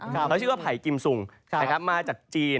เขาชื่อว่าไผ่กิมซุงมาจากจีน